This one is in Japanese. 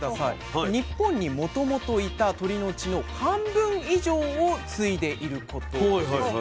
日本にもともといた鶏の血の半分以上を継いでいることです。